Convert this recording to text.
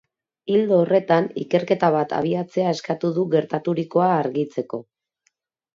Ildo horretan, ikerketa bat abiatzea eskatu du gertaturikoa argitzeko.